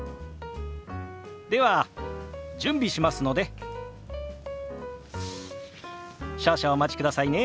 では準備しますので少々お待ちくださいね。